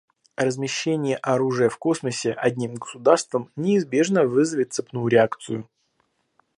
Размещение оружия в космосе одним государством неизбежно вызовет цепную реакцию.